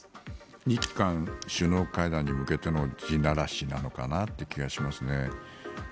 日韓首脳会談に向けての地ならしなのかなという気がしますね。